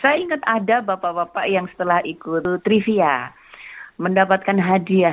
saya ingat ada bapak bapak yang setelah ikut trivia mendapatkan hadiah